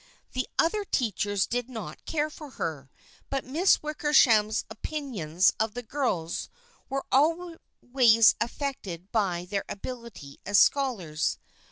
The other teachers THE FRIENDSHIP OF ANNE 155 did not care for her, but Miss Wickersham's opin ions of the girls were always affected by their ability as scholars.